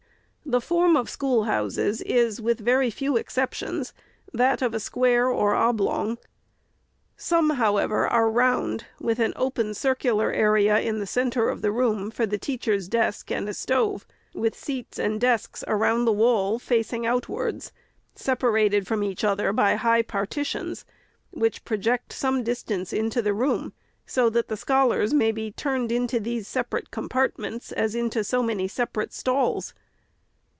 The form of schoolhouses is, with very few exceptions, that of a square or oblong. Some, however, are round, with an open circular area in the centre of the room, for the teacher's desk and a stove, with seats and desks around the wall, facing outwards, separated from each other by high partitions, which pro ject some distance into the room, so that the scholars may be turned into these separate compartments, as into so many separate stalls.